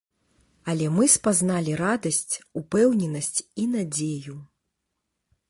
Але мы спазналі радасць, упэўненасць і надзею.